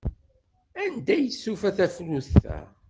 Anda ay tufa tafrut-a?